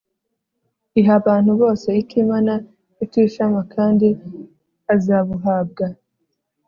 iha abantu bose itimana, itishama, kandi azabuhabwa